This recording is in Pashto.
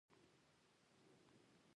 کله چې یو څوک کور اخلي، یادونه راځي.